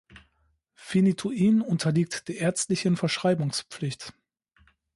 Phenytoin unterliegt der ärztlichen Verschreibungspflicht.